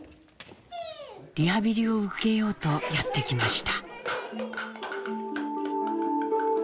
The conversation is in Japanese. リハビリを受けようとやって来ました。